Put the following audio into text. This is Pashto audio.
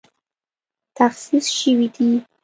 تخصیص شوې دي